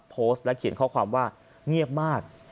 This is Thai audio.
โพสต์และเขียนข้อความว่าเงียบมาก